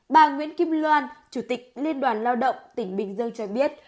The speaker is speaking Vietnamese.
bà nguyễn kim loan chủ tịch liên đoàn lao động tp hcm cho biết